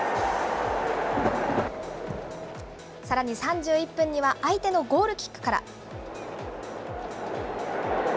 さらに３１分には、相手のゴールキックから。